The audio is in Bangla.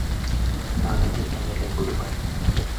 আগামীর এমএলএ, গুরু ভাই!